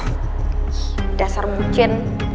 ih dasar mucin